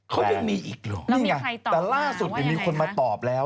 เขายังมีอีกหรือว่าอย่างไรคะนี่ไงแต่ล่าสุดยังมีคนมาตอบแล้ว